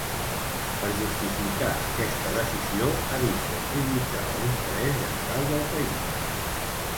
Per justificar aquesta decisió, ha dit que prioritzava ‘l’interès general del país’.